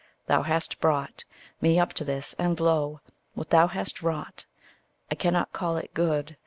Thou hast brought Me up to this and, lo! what thou hast wrought, I cannot call it good.